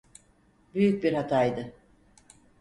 Büyük bir hataydı.